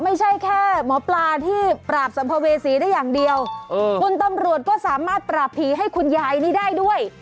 ไม่ใช่แค่หมอปลาที่ปราบสัมภเวษีได้อย่างเดียวคุณตำรวจก็สามารถปราบผีให้คุณยายนี้ได้ด้วย